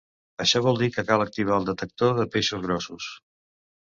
Això vol dir que cal activar el detector de peixos grossos.